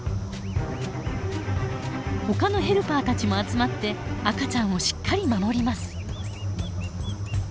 ほかのヘルパーたちも集まって赤ちゃんをしっかり守ります。